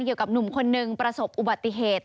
เกี่ยวกับหนุ่มคนนึงประสบอุบัติเหตุ